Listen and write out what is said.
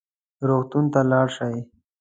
روغتون ته لاړ شئ